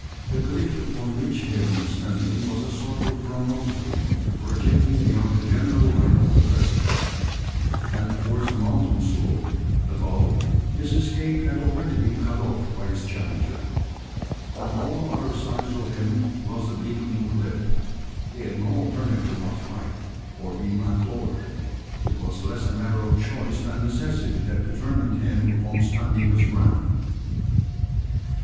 The cliff upon which he had been standing, was a sort of promontory projecting beyond the general line of the precipice; and towards the mountain slope above his escape had been already cut off by his challenger. On all other sides of him was the beetling cliff. He had no alternative but fight, or be "knocked over." It was less a matter of choice than necessity that determined him upon standing his ground.